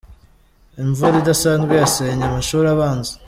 Imvura idasanzwe yasenye amashuri abanza